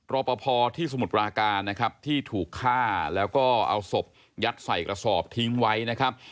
รอปภที่สมุทรปราการนะครับที่ถูกฆ่าแล้วก็เอาศพยัดใส่กระสอบทิ้งไว้นะครับ